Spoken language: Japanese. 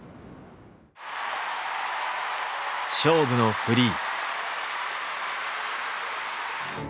勝負のフリー。